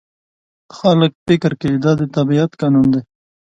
خلک فکر کوي دا د طبیعت قانون دی.